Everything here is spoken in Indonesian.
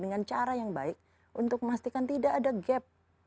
dengan cara yang baik untuk memastikan tidak ada gap